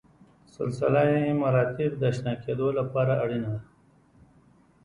سلسله مراتب د اشنا کېدو لپاره اړینه ده.